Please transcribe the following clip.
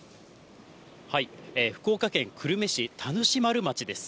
福岡県久留米市田主丸町です。